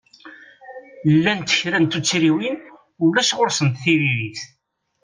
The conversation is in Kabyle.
Llant kra n tuttriwin ulac ɣur-sent tiririt.